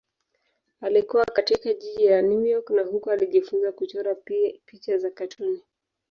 Alikua katika jiji la New York na huko alijifunza kuchora picha za katuni.